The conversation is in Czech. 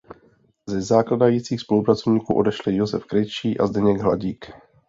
Ze zakládajících spolupracovníků odešli Josef Krejčí a Zdeněk Hladík.